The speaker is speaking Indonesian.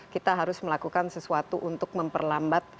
kita harus melakukan sesuatu untuk memperlambat